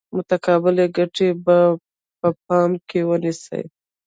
متقابلې ګټې به په پام کې ونیسي.